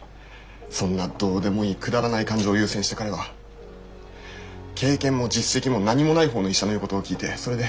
そんなどうでもいいくだらない感情を優先して彼は経験も実績も何もない方の医者の言うことを聞いてそれで。